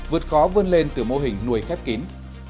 vượt khó vươn lên từ mô hình nuôi khép kín